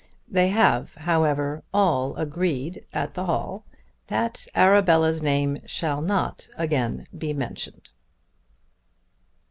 They have, however, all agreed at the hall that Arabella's name shall not again be mentioned.